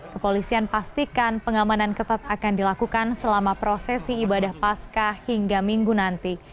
kepolisian pastikan pengamanan ketat akan dilakukan selama prosesi ibadah pasca hingga minggu nanti